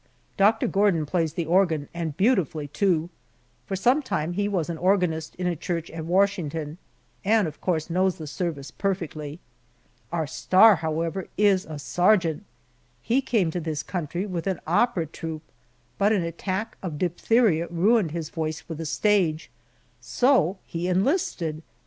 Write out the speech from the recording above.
Doctor Gordon plays the organ, and beautifully, too. For some time he was organist in a church at Washington, and of course knows the service perfectly. Our star, however, is a sergeant! He came to this country with an opera troupe, but an attack of diphtheria ruined his voice for the stage, so he enlisted!